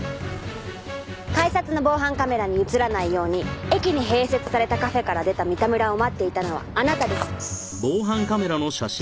改札の防犯カメラに映らないように駅に併設されたカフェから出た三田村を待っていたのはあなたです。